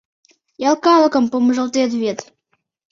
— Ял калыкым помыжалтет вет...